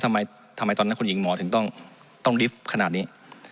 ทำไมตอนนั้นคุณหญิงหมอถึงต้องลิฟต์ขนาดนี้